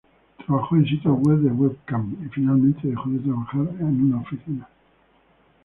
Trabajó en sitios web de Webcam y finalmente dejó de trabajar a una oficina.